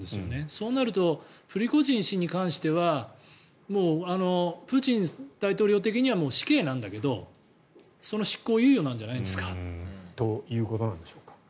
そうなるとプリゴジン氏に関してはプーチン大統領的には死刑なんだけどその執行猶予なんじゃないですか。ということなんでしょうか？